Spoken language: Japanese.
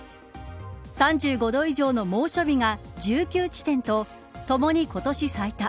３５度以上の猛暑日が１９地点とともに今年最多。